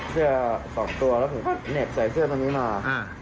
เสื้อสองตัวแล้วผมเห็บใส่เสื้อตัวนี้มา